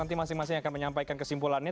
nanti masing masing akan menyampaikan kesimpulannya